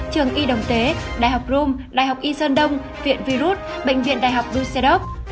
trường y đồng tế đại học rome đại học y sơn đông viện virus bệnh viện đại học dusetok